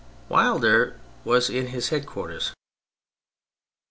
Wilder was his head quarters.